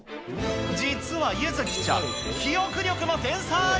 実は柚月ちゃん、記憶力の天才。